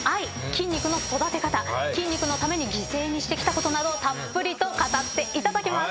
筋肉の育て方筋肉のために犠牲にしてきたことなどたっぷりと語っていただきます。